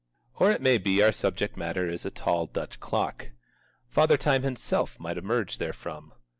Or it may be our subject matter is a tall Dutch clock. Father Time himself might emerge therefrom.